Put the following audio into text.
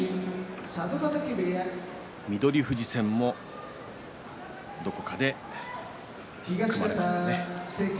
翠富士戦もどこかで組まれますかね。